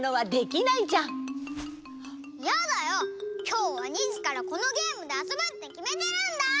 きょうは２じからこのゲームであそぶってきめてるんだ！